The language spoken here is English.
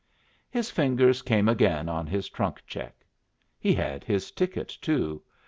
His fingers came again on his trunk check. He had his ticket, too.